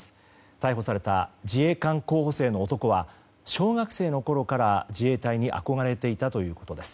逮捕された自衛官候補生の男は小学生のころから自衛隊に憧れていたということです。